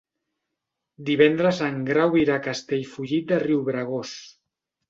Divendres en Grau irà a Castellfollit de Riubregós.